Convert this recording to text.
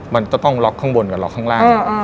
มันจะต้องล็อกข้างบนกับล็อกข้างล่าง